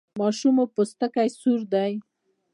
ماشوم مو پوستکی سور دی؟